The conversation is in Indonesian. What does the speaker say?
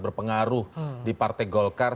berpengaruh di partai golkar